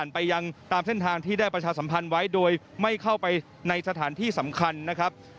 ไปยังตามเส้นทางที่ได้ประชาสัมพันธ์ไว้โดยไม่เข้าไปในสถานที่สำคัญนะครับ